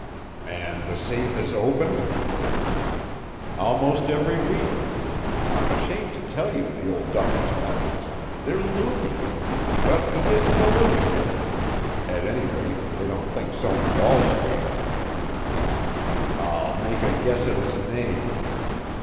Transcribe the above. "And the safe is opened?" "Almost every week. I'm ashamed to tell you the old duffer's methods; they're loony. But he isn't a lunatic. At any rate, they don't think so in Wall Street." "I'll make a guess at his name."